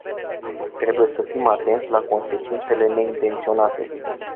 Trebuie să fim atenți la consecințele neintenționate.